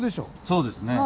そうですね。